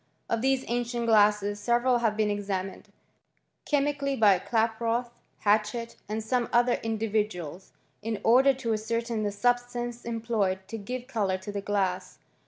Of these ancient glasses several have been examined cbet mically by Klaproth, Hatchett, and some other indi* viduals, in order to ascertain the substances employed to give colour to the glass.